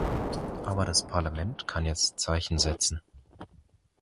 Aber das Parlament kann jetzt Zeichen setzen.